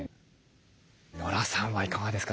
ノラさんはいかがですか？